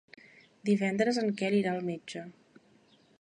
Divendres en Quel irà al metge.